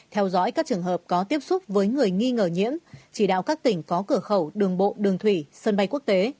theo dõi các trường hợp có tiếp xúc với người nghi ngờ nhiễm chỉ đạo các tỉnh có cửa khẩu đường bộ đường thủy sân bay quốc tế